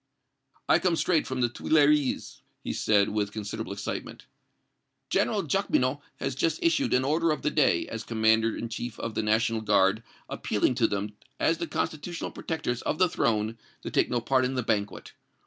"I come straight from the Tuileries," he said, with considerable excitement. "General Jacqueminot has just issued an order of the day, as commander in chief of the National Guard, appealing to them as the constitutional protectors of the Throne to take no part in the banquet.